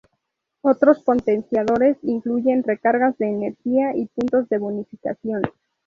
Otros potenciadores incluyen recargas de energía y puntos de bonificación.